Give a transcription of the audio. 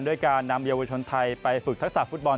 การนำเยาวชนไทยไปฝึกทักษะฟุตบอล